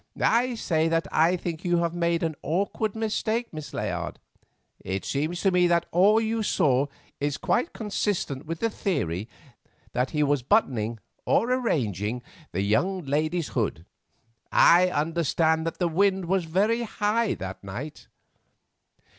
"I say that I think you have made an awkward mistake, Miss Layard. It seems to me that all you saw is quite consistent with the theory that he was buttoning or arranging the young lady's hood. I understand that the wind was very high that night."